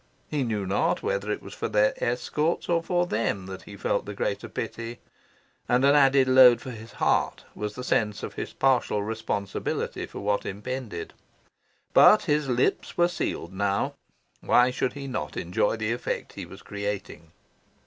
He knew not whether it was for their escorts or for them that he felt the greater pity; and an added load for his heart was the sense of his partial responsibility for what impended. But his lips were sealed now. Why should he not enjoy the effect he was creating?